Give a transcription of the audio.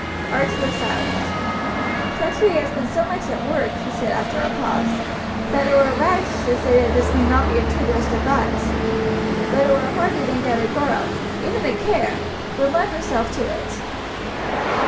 Archie was silent. "Treachery has been so much at work," he said after a pause, "that it were rash to say that this may not be a traitorous device; but it were hard to think that a girl even a Kerr would lend herself to it."